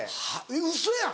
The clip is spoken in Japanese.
ウソやん！